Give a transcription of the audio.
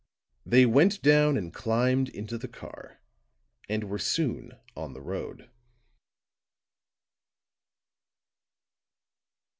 They went down and climbed into the car, and were soon on the road.